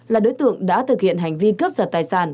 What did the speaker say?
là đối tượng đã thực hiện hành vi cướp giật tài sản